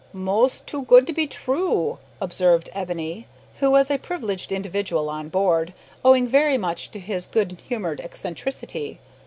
"Mos' too good to be true," observed Ebony, who was a privileged individual on board, owing very much to his good humoured eccentricity.